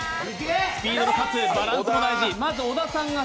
スピードかつバランスも大事。